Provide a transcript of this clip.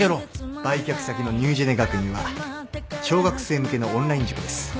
売却先のニュージェネ学院は小学生向けのオンライン塾です。